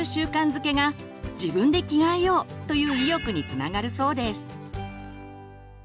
づけが「自分で着替えよう」という意欲につながるそうです。